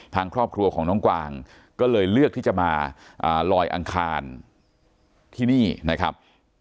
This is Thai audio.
ทางครอบครัวของน้องกวางก็เลยเลือกที่จะมาลอยอังคารที่นี่นะครับ